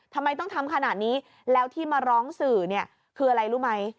ทำไมต้องทำขนาดนี้แล้วที่มาร้องสื่อเนี่ยคืออะไรรู้ไหม